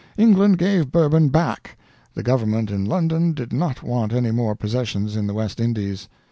England gave Bourbon back; the government in London did not want any more possessions in the West Indies.